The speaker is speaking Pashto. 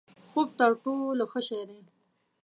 خوب تر ټولو ښه شی دی؛